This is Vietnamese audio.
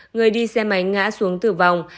người đi xe máy ngã xuống tử vong